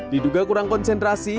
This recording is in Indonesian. diduga kurang konsentrasi